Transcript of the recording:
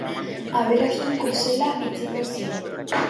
Aberastuko zela hitzeman zion.